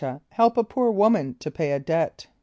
a] help a poor woman to pay a debt?